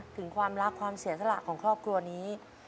ถึงความรักความเสียสละของครอบครัวนี้